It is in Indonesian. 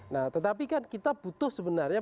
nah tetapi kan kita butuh sebenarnya